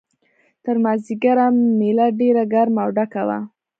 تر مازیګره مېله ډېره ګرمه او ډکه وه.